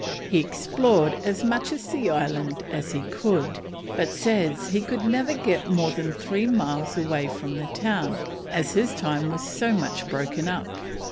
He explored as much of the island as he could, but says he could never get more than three miles away from the town as his time was so much broken up.